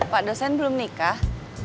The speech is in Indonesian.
pak dosen belum nikah